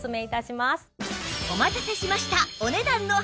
お待たせしました！